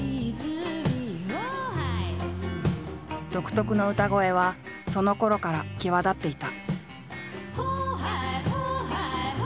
独特の歌声はそのころから際立っていた。